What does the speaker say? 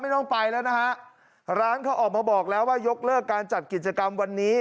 ต้องไปแล้วนะฮะร้านเขาออกมาบอกแล้วว่ายกเลิกการจัดกิจกรรมวันนี้